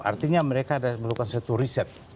artinya mereka ada memerlukan satu riset